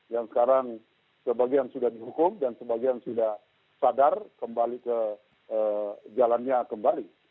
yang sekarang sebagian sudah dihukum dan sebagian sudah sadar kembali ke jalannya kembali